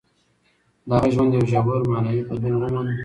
د هغه ژوند یو ژور معنوي بدلون وموند.